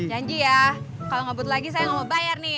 janji ya kalau ngebut lagi saya nggak mau bayar nih